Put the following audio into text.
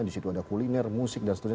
disitu ada kuliner musik dan seterusnya